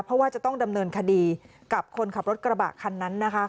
เพราะว่าจะต้องดำเนินคดีกับคนขับรถกระบะคันนั้นนะคะ